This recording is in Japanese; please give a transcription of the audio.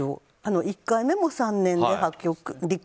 １回目も３年で離婚